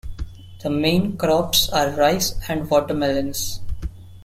The main crops are rice and watermelons.